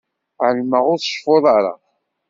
Ɛelmeɣ ur tceffuḍ ara.